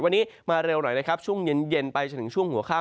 วันนี้มาเร็วหน่อยนะครับช่วงเย็นไปจนถึงช่วงหัวข้าม